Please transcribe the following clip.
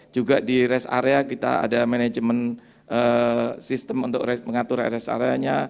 juga di list area kita ada management system untuk mengatur list area nya